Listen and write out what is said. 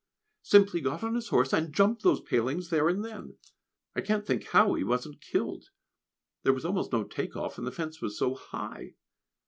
Simply got on his horse, and jumped those palings there and then! I can't think how he wasn't killed. There was almost no take off, and the fence is so high.